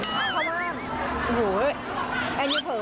ยังไม่ยายนะยังกล้าอยู่